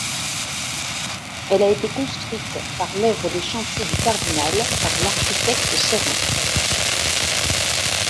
Elle a été construite par l'Œuvre des Chantiers du Cardinal par l’architecte Sorin.